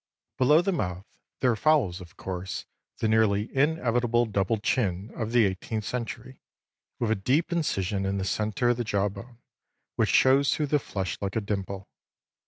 Below the mouth there follows of course the nearly inevitable double chin of the eighteenth century, with a deep incision in the centre of the jaw bone, which shows through the flesh like a dimple.